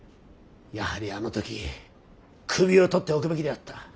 やはりあの時首を取っておくべきであった。